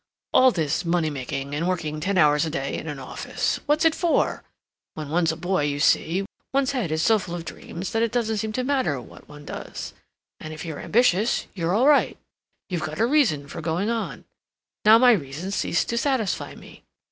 "All this money making and working ten hours a day in an office, what's it FOR? When one's a boy, you see, one's head is so full of dreams that it doesn't seem to matter what one does. And if you're ambitious, you're all right; you've got a reason for going on. Now my reasons ceased to satisfy me.